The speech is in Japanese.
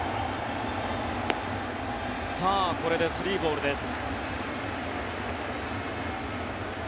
これで３ボールです。